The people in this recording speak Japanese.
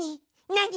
なに？